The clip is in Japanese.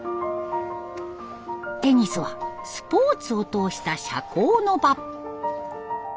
テニスはスポーツを通した社交の場。